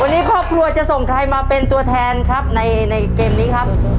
วันนี้ครอบครัวจะส่งใครมาเป็นตัวแทนครับในเกมนี้ครับ